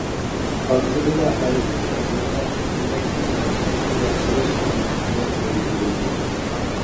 ئارقىدىنلا ئەرگۇڭ بازىرىدا ئىنەكنىڭ نەسلىنى ياخشىلاش خىزمىتى قانات يايدۇرۇلدى.